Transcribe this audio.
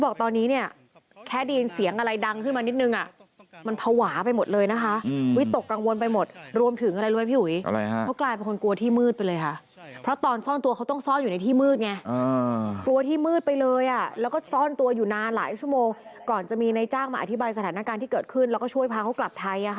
โอเคไหมคะเราจะพยายามให้ขบันให้เร็วที่สุดให้พลไปที่สุด